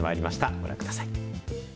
ご覧ください。